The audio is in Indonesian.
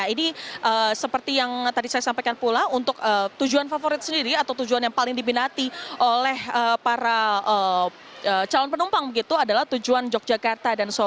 jadi seperti yang tadi saya sampaikan pula untuk tujuan favorit sendiri atau tujuan yang paling dibinati oleh para calon penumpang begitu adalah tujuan yogyakarta